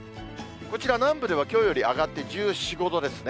こちら、南部ではきょうより上がって１４、５度ですね。